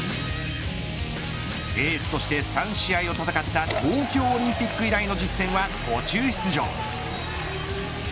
エースとして３試合を戦った東京オリンピック以来の実戦は途中出場。